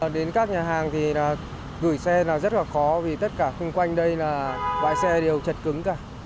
đến các nhà hàng thì gửi xe là rất là khó vì tất cả khung quanh đây là bãi xe đều chật cứng cả